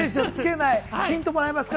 ヒントもらえますか？